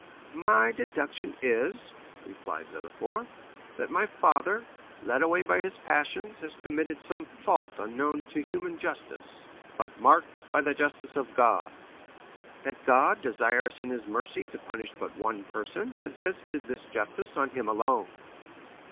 "My deduction is," replied Villefort, "that my father, led away by his passions, has committed some fault unknown to human justice, but marked by the justice of God. That God, desirous in his mercy to punish but one person, has visited this justice on him alone."